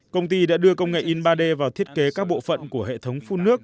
công ty đã đưa công nghệ in ba d vào thiết kế các bộ phận của hệ thống phun nước